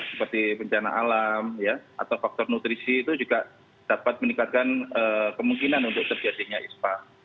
seperti bencana alam atau faktor nutrisi itu juga dapat meningkatkan kemungkinan untuk terjadinya ispa